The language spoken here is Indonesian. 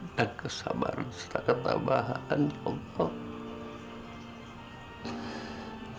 dan kesabaran setakat tambahan ya allah